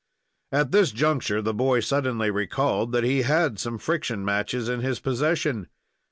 At this juncture, the boy suddenly recalled that he had some friction matches in his possession.